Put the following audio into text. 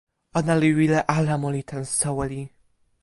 ona li wile ala moli tan soweli.